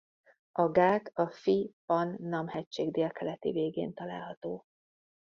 A gát a Phi Pan Nam-hegység délkeleti végén található.